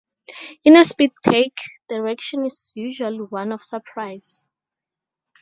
In a spit-take, the reaction is usually one of surprise.